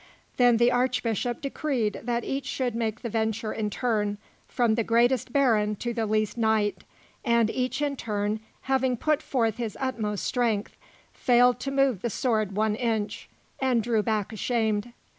Then the Archbishop decreed that each should make the venture in turn, from the greatest baron to the least knight, and each in turn, having put forth his utmost strength, failed to move the sword one inch, and drew back ashamed.